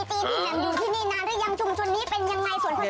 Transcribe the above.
พี่แหม่มอยู่ที่นี่นานแล้วยังชุมชนนี่เป็นยังไงส่วนของเขา